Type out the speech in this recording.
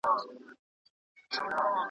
ایا تاسي د لوبې په اړه نوې مقاله لوستې؟